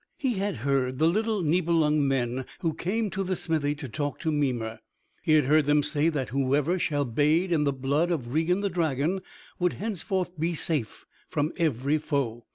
He had heard the little Nibelung men who came to the smithy to talk with Mimer, he had heard them say that whoever should bathe in the blood of Regin the dragon would henceforth be safe from every foe.